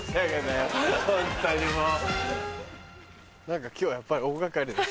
何か今日はやっぱり大掛かりな人が。